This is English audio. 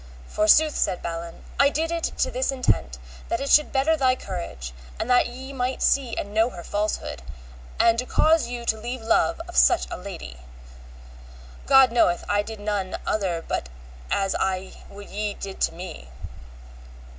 Forsooth, said Balin, I did it to this intent that it should better thy courage, and that ye might see and know her falsehood, and to cause you to leave love of such a lady; God knoweth I did none other but as I would ye did to me.